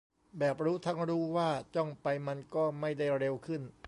แบบรู้ทั้งรู้ว่าจ้องไปมันก็ไม่ได้เร็วขึ้น